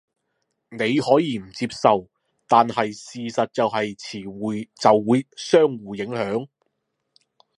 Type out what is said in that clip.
你可以唔接受，但係事實就係詞彙就會相互影響